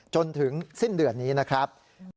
จนถึงสิ้นเดือนนี้นะครับ